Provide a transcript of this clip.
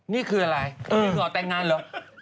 นี่คืออะไรขอแต่งงานเหรอ